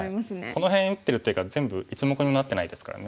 この辺打ってる手が全部１目にもなってないですからね。